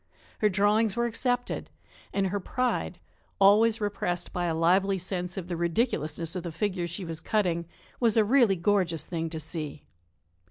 Her drawings were accepted, and her pride always repressed by a lively sense of the ridiculousness of the figure she was cutting was a really gorgeous thing to see.